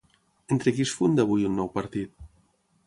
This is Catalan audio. Entre qui es funda avui un nou partit?